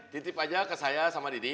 titip aja ke saya sama didi